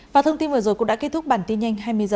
và thông tin vừa rồi cũng đã kết thúc bản tin nhanh hai mươi h